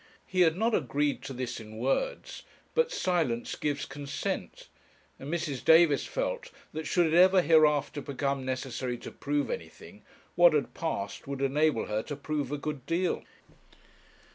He had not agreed to this in words; but silence gives consent, and Mrs. Davis felt that should it ever hereafter become necessary to prove anything, what had passed would enable her to prove a good deal.